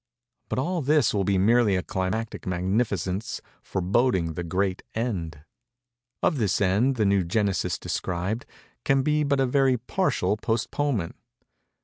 But all this will be merely a climacic magnificence foreboding the great End. Of this End the new genesis described, can be but a very partial postponement.